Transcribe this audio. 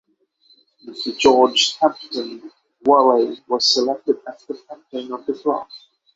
Mr George Hampden Whalley was selected as the captain of the club.